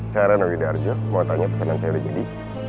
saya renowid arjo mau tanya pesanan saya udah jadi